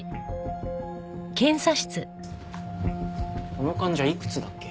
この患者いくつだっけ？